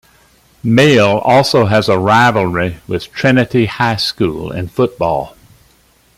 Male also has a rivalry with Trinity High School in football.